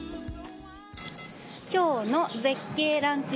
今日の絶景ランチ